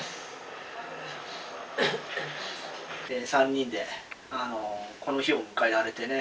３人でこの日を迎えられてね。